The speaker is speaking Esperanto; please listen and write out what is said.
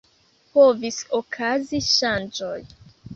Povis okazi ŝanĝoj.